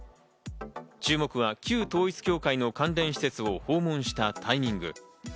注目は旧統一教会の関連施設を訪問したタイミング。